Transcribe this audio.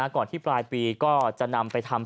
ก่อนที่ปลายปีก็จะนำไปทำ